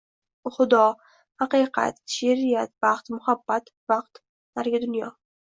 Xudo, haqiqat, she’riyat, baxt, muhabbat, vaqt, narigi dunyo…